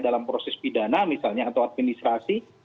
dalam proses pidana misalnya atau administrasi